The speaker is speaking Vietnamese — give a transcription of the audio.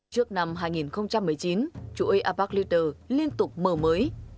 trước năm hai nghìn một mươi chín chuỗi apex leaders liên tục mờ mới